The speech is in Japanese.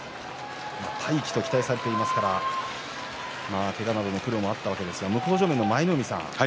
大器と期待されていましたからけがなどの苦労もあったわけですが向正面の舞の海さん